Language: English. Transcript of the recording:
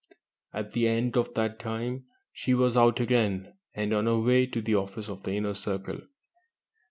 At the end of that time she was out again, and on her way to the office of the Inner Circle.